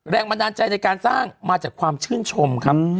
แรงบันดาลใจในการสร้างมาจากความชื่นชมครับ